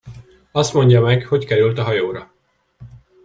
Azt mondja meg, hogy került a hajóra!